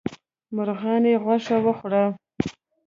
مرغانو یې غوښه وخوړه.